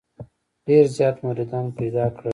ډېر زیات مریدان پیدا کړل.